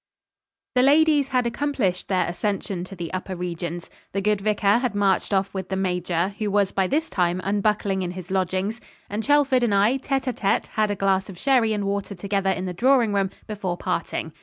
The ladies had accomplished their ascension to the upper regions. The good vicar had marched off with the major, who was by this time unbuckling in his lodgings; and Chelford and I, tête à tête, had a glass of sherry and water together in the drawing room before parting.